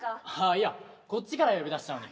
いやこっちから呼び出したのに。